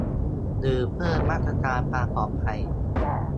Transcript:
หรือเพิ่มมาตรการความปลอดภัย